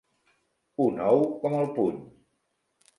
Un ou com el puny.